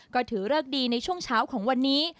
ก็ถือเลิกดีในช่วงเช้าของวันนี้